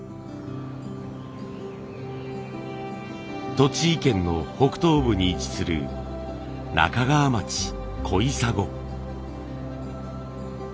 栃木県の北東部に位置する那珂川町小砂。